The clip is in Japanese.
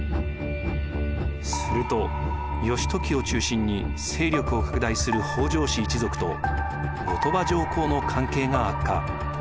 すると義時を中心に勢力を拡大する北条氏一族と後鳥羽上皇の関係が悪化。